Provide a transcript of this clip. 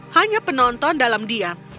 hanya penonton dalam diam